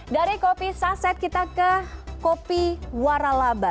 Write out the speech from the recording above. dari kopi saset kita ke kopi waralaba